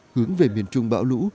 hướng về miền trung bão lũ